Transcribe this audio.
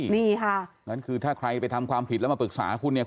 นี่ค่ะงั้นคือถ้าใครไปทำความผิดแล้วมาปรึกษาคุณเนี่ย